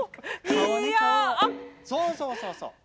そうそうそうそう。